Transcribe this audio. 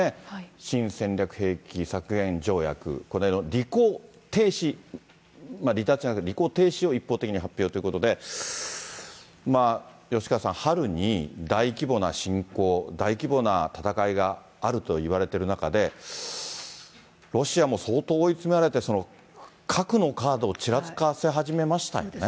新戦略兵器削減条約、これの履行停止、離脱じゃなくて、履行停止を一方的に発表ということで、吉川さん、春に大規模な侵攻、大規模な戦いがあるといわれてる中で、ロシアも相当追い詰められて、核のカードをちらつかせ始めましたよね。